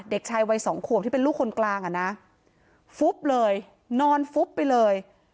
เด็กชายวัยสองขวบที่เป็นลูกคนกลางอ่ะนะฟุบเลยนอนฟุบไปเลย